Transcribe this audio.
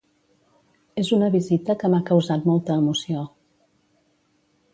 És una visita que m’ha causat molta emoció.